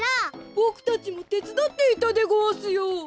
ボクたちもてつだっていたでごわすよ。